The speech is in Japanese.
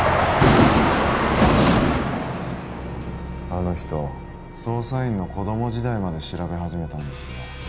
あの人捜査員の子供時代まで調べ始めたんですよ